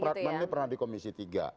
pasal per pasalnya pernah di komisi tiga